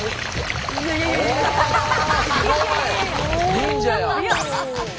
忍者や。